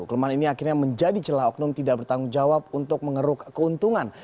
kelemahan ini akhirnya menjadi celah oknum tidak bertanggung jawab untuk mengeruk keuntungan